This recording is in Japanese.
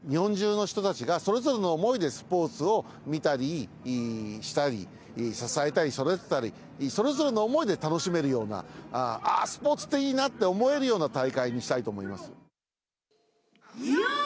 日本中の人たちがそれぞれの思いでスポーツを見たりしたり支えたりそれぞれの思いで楽しめるようなあースポーツっていいなって思えるような大会にしたいと思います。